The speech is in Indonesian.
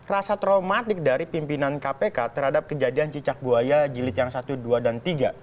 rasa traumatik dari pimpinan kpk terhadap kejadian cicak buaya jilid yang satu dua dan tiga